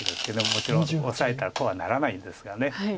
もちろんオサえたらこうはならないんですが。